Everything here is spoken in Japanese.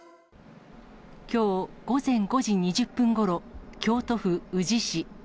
きょう午前５時２０分ごろ、京都府宇治市。